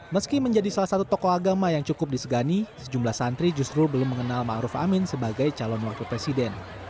meski menjadi salah satu tokoh agama yang cukup disegani sejumlah santri justru belum mengenal ⁇ maruf ⁇ amin sebagai calon wakil presiden